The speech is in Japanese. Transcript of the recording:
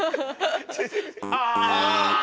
ああ！